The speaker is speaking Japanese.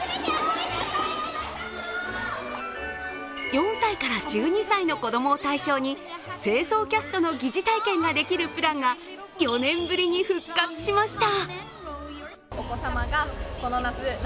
４歳から１２歳の子供を対象に清掃キャストの疑似体験ができるプランが４年ぶりに復活しました。